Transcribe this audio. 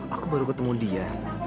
aku baru ketemu dia